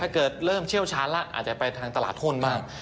ถ้าเกิดเริ่มเชี่ยวช้าแล้วอาจจะไปทางตลาดทุนมาก